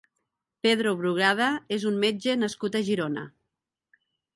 Pedro Brugada és un metge nascut a Girona.